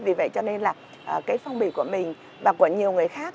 vì vậy cho nên là cái phong bì của mình và của nhiều người khác